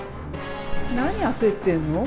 何焦ってんの？